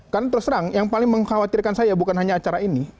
karena terus terang yang paling mengkhawatirkan saya bukan hanya acara ini